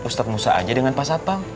ustadz musa aja dengan pak sapang